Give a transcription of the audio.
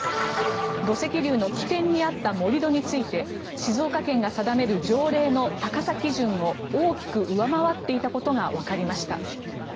土石流の起点にあった盛り土について静岡県が定める条例の高さ基準を大きく上回っていたことがわかりました。